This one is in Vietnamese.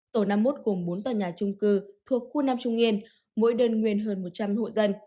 tổ năm mươi một gồm bốn tòa nhà trung cư thuộc khu nam trung yên mỗi đơn nguyên hơn một trăm linh hộ dân